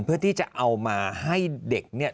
เพื่อที่จะเอามาให้เด็กเนี่ย